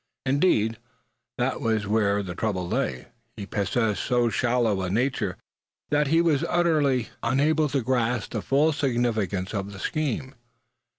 Indeed, that was where the trouble lay; he possessed so shallow a nature that he was utterly unable to grasp the full significance of the scheme.